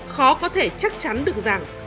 khó có thể chắc chắn được rằng